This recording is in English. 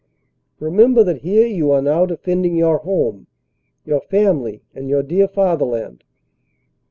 Remember that here you are now defending your home, your family and your dear Fatherland.